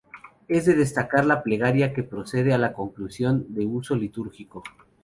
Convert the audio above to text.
Es de destacar la plegaria que precede a la conclusión, de uso litúrgico.